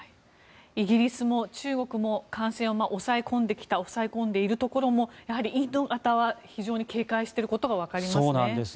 イギリスも中国も感染を抑え込んできた抑え込んでいるところもインド型は非常に警戒していることがわかりますね。